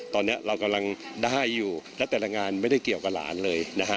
ตอนนี้เรากำลังได้อยู่และแต่ละงานไม่ได้เกี่ยวกับหลานเลยนะฮะ